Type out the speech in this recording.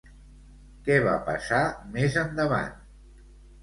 Què va passar més endavant?